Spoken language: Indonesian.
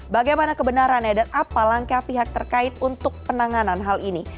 bagaimana kebenarannya dan apa langkah pihak terkait untuk penanganan hal ini